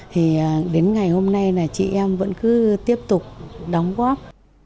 thì đến ngày hôm nay là chị em vẫn cứ tiếp tục đóng góp